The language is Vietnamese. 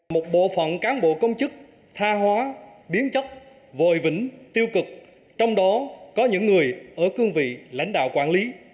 một bộ phận cán bộ công chức tha hóa biến chất vồi vĩnh tiêu cực trong đó có những người ở cương vị lãnh đạo quản lý